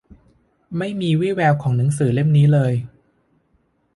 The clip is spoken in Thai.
ไม่มีวี่แววของหนังสือเล่มนี้เลย